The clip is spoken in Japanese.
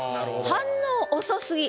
反応遅すぎ。